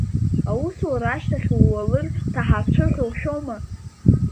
Аусура ашьҭахь ууалыр ҭаҳарцәыр ҳәа ушәома?